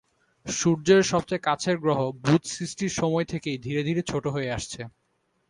সূর্যের সবচেয়ে কাছের গ্রহ বুধ সৃষ্টির সময় থেকেই ধীরে ধীরে ছোট হয়ে আসছে।